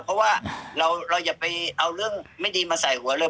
เพราะว่าเราอย่าไปเอาเรื่องไม่ดีมาใส่หัวเลย